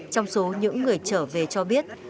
trong số những người trở về cho biết